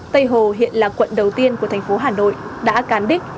tây hồ hiện là quận đầu tiên của thành phố hà nội đã cán đích